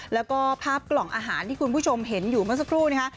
แล้วก็ภาพกล่องอาหารที่คุณผู้ชมเห็นอยู่เมื่อสักครู่นะคะ